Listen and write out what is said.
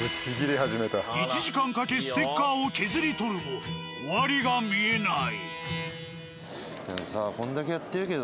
１時間かけステッカーを削り取るも終わりが見えない。